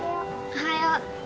おはよう。